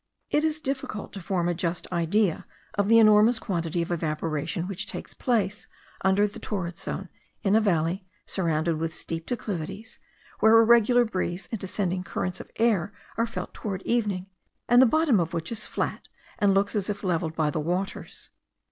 It is difficult to form a just idea of the enormous quantity of evaporation which takes place under the torrid zone, in a valley surrounded with steep declivities, where a regular breeze and descending currents of air are felt towards evening, and the bottom of which is flat, and looks as if levelled by the waters.